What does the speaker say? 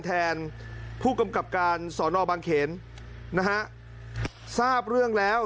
แทนผู้กำกับการสอนอบางเขนนะฮะทราบเรื่องแล้ว